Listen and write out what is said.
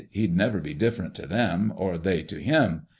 He'd never be different to them, or they to him.